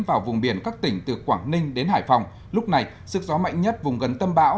vào vùng biển các tỉnh từ quảng ninh đến hải phòng lúc này sức gió mạnh nhất vùng gần tâm bão